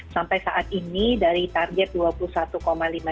sampai saat ini dari target dua puluh satu orang